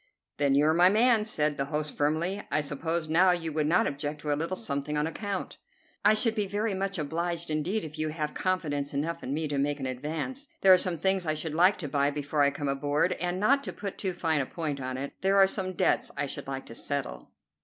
"Then you're my man," said my host firmly. "I suppose now you would not object to a little something on account?" "I should be very much obliged indeed if you have confidence enough in me to make an advance. There are some things I should like to buy before I come aboard, and, not to put too fine a point to it, there are some debts I should like to settle."